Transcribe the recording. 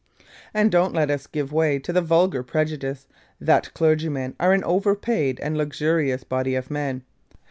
And don't let us give way to the vulgar prejudice, that clergymen are an over paid and luxurious body of men.